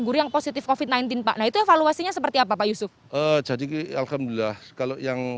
guru yang positif covid sembilan belas pak nah itu evaluasinya seperti apa pak yusuf jadi alhamdulillah kalau yang